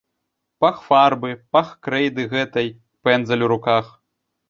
Пах фарбы, пах крэйды гэтай, пэндзаль у руках.